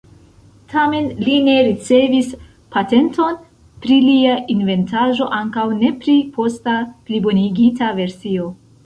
Tamen li ne ricevis patenton pri lia inventaĵo, ankaŭ ne pri posta plibonigita versio.